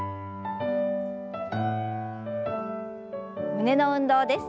胸の運動です。